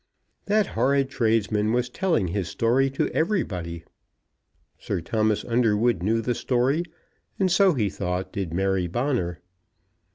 That horrid tradesman was telling his story to everybody. Sir Thomas Underwood knew the story; and so, he thought, did Mary Bonner.